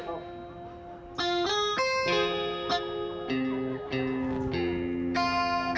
assalamualaikum pak ustadz